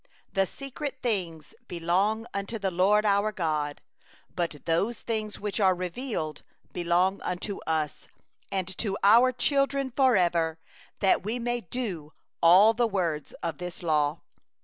— 28 The secret things belong unto the LORD our God; but the things that are revealed belong unto us and to our children for ever, that we may do all the words of this law.